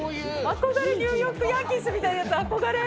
憧れ、ニューヨークヤンキースみたいなやつ、憧れ。